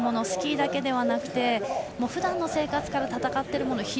スキーだけではなくてふだんの生活から戦っているもの